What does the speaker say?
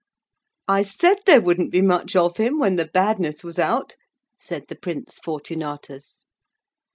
'I said there wouldn't be much of him when the badness was out,' said the Prince Fortunatus.